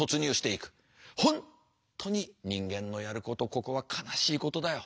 本当に人間のやることここは悲しいことだよ。